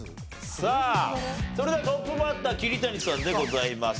さあそれではトップバッター桐谷さんでございます。